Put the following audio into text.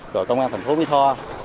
rồi công an thành phố mỹ tho